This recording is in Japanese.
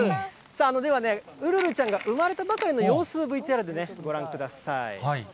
ではね、ウルルちゃんが産まれたばかりの様子、ＶＴＲでご覧ください。